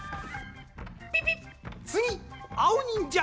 ピピッつぎあおにんじゃ！